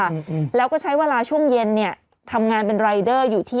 อืมแล้วก็ใช้เวลาช่วงเย็นเนี้ยทำงานเป็นรายเดอร์อยู่ที่